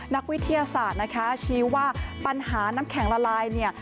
นักวิทยาศาสตร์นะคะชี้ว่าปัญหาน้ำแข็งละลายเนี่ย